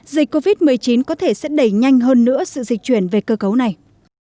dịch covid một mươi chín có thể sẽ đẩy nhanh hơn nữa sự dịch chuyển về cơ cấu này